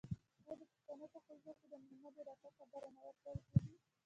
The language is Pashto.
آیا د پښتنو په کلتور کې د میلمه د راتګ خبر نه ورکول کیږي؟